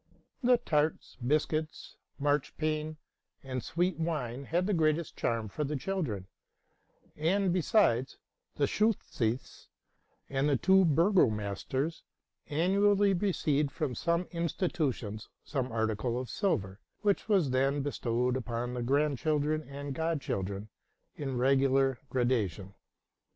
The tarts, biscuits, marchpane, and sweet wine had the greatest charm for the children; and, besides, the Schultheiss and the two burgomasters annually received from RELATING TO MY LIFE. 69 some institutions some article of silver, which was then be stowed upon the grandchildren and godchildren in regular gradation.